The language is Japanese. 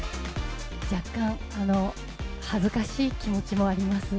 若干、恥ずかしい気持ちもあります。